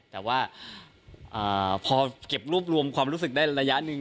แต่ว่าพอเก็บรวบรวมความรู้สึกได้ระยะหนึ่ง